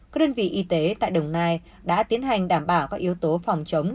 các đơn vị y tế tại đồng nai đã tiến hành đảm bảo các yếu tố phòng chống